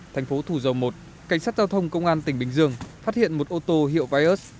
thành phố thủ dâu i cảnh sát giao thông công an tỉnh bình dương phát hiện một ô tô hiệu vios